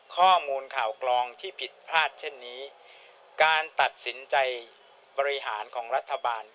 ข้อมูลข่าวกรองที่ผิดพลาดเช่นนี้การตัดสินใจบริหารของรัฐบาล